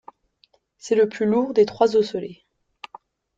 C’est le plus lourd des trois osselets.